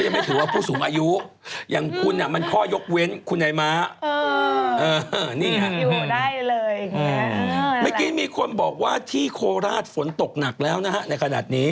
เมื่อกี้มีคนบอกว่าที่โคราชฝนตกหนักแล้วนะฮะในขณะนี้